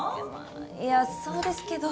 いやそうですけど。